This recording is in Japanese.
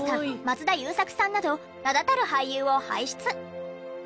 松田優作さんなど名だたる俳優を輩出。